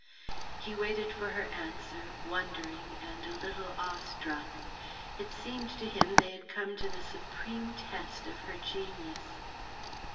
He waited for her answer, wondering, and a little awestruck. It seemed to him they had come to the supreme test of her genius.